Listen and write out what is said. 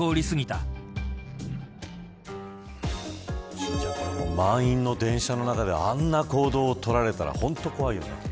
心ちゃん、満員の電車の中であんな行動を取られたら本当に怖いよね。